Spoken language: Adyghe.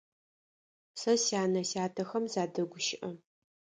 Сэ сянэ-сятэхэм садэгущыӏэ.